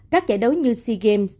các giải đấu như sea games